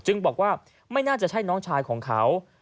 บอกว่าไม่น่าจะใช่น้องชายของเขา